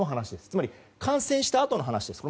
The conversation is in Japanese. つまり感染したあとの話です。